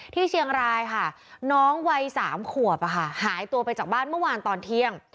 ที่เชียงรายค่ะน้องวัย๓ขวบหายตัวไปจากบ้านเมื่อวานตอนเที่ยง